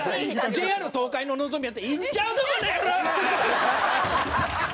ＪＲ東海ののぞみやったら「行っちゃうぞこの野郎！」。